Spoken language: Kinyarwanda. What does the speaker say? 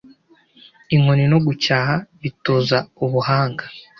inkoni no gucyaha bitoza ubuhanga